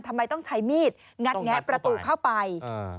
ทำไมต้องใช้มีดงัดแงะประตูเข้าไป